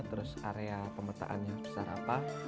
terus area pemetaan yang besar apa